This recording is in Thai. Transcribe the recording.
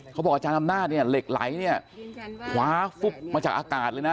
อาจารย์อำนาจเนี่ยเหล็กไหลเนี่ยคว้าฟุบมาจากอากาศเลยนะ